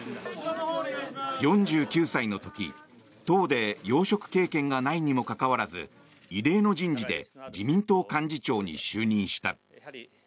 ４９歳の時、党で要職経験がないにもかかわらず異例の人事で自民党幹事長に就任した。